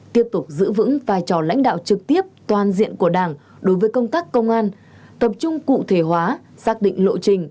tiếp tục giữ vững vai trò lãnh đạo trực tiếp toàn diện của đảng đối với công tác công an tập trung cụ thể hóa xác định lộ trình